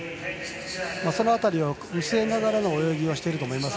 その辺りを見据えながらの泳ぎをしていると思います。